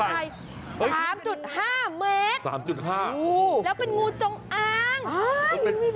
ให้ใจ๓๕เมตรโอ้โฮแล้วเป็นงูจงอ้างอ้าวยังไม่รีบ